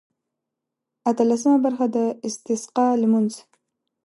اتلسمه برخه د استسقا لمونځ.